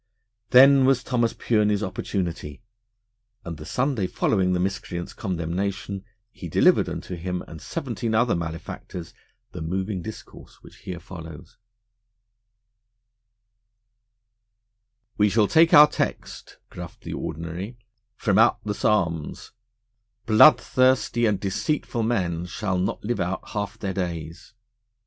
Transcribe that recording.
Then was Thomas Pureney's opportunity, and the Sunday following the miscreant's condemnation he delivered unto him and seventeen other malefactors the moving discourse which here follows: 'We shall take our text,' gruffed the Ordinary 'From out the Psalms: "Bloodthirsty and deceitful men shall not live out half their days."